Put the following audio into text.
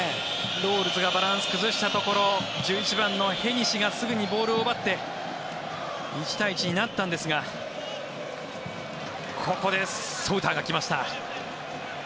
ロールズがバランスを崩したところ１１番のヘニシがすぐにボールを奪って１対１になったんですがここでソウターが来ました。